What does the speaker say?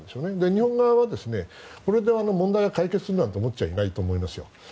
日本側はこれで問題が解決するなんて思っちゃいないと思いますよ。